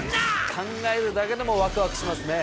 考えるだけでもワクワクしますね。